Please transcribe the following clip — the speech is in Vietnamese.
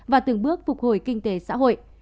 và từng bước phục hồi kinh tế xã hội